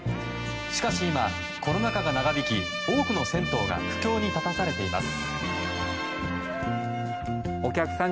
しかし今、コロナ禍が長引き多くの銭湯が苦境に立たされています。